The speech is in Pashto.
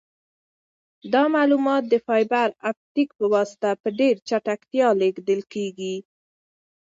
دا معلومات د فایبر اپټیک په واسطه په ډېر چټکتیا لیږل کیږي.